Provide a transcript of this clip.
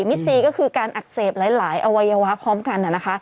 ซีก็คือการอักเสบหลายอวัยวะพร้อมกันนะคะ